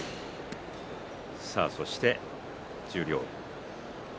そして十両。